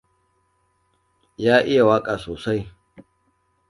Ya iya waƙa sosai.